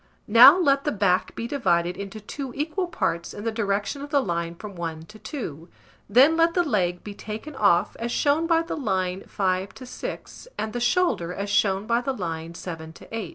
Now let the back be divided into two equal parts in the direction of the line from 1 to 2; then let the leg be taken off, as shown by the line 5 to 6, and the shoulder, as shown by the line 7 to 8.